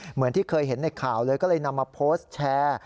เหมือนที่เคยเห็นในข่าวเลยก็เลยนำมาโพสต์แชร์